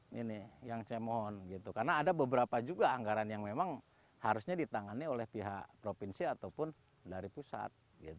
karena ada beberapa juga anggaran yang memang harusnya ditangani oleh pihak provinsi ataupun dari pusat